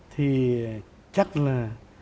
thì chắc là